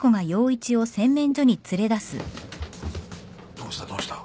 どうしたどうした？